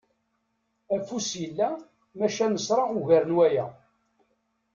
Afus yella maca nesra ugar n waya.